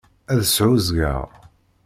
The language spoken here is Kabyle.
Ad sɛuẓẓgeɣ.